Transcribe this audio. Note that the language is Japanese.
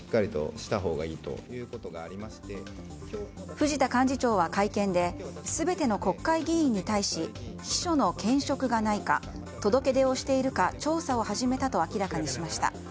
藤田幹事長は、会見で全ての国会議員に対し秘書の兼職がないか届け出をしているか調査を始めたと明らかにしました。